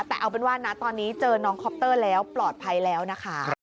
แต่เอาเป็นว่านะตอนนี้เจอน้องคอปเตอร์แล้วปลอดภัยแล้วนะคะ